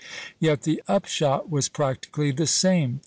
Yet the upshot was practically the same.